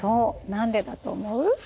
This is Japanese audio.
何でだと思う？